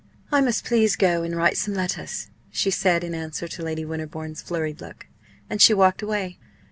"I must please go and write some letters," she said, in answer to Lady Winterbourne's flurried look. And she walked away.